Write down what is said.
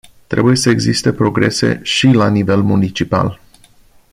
Trebuie să existe progrese și la nivel municipal.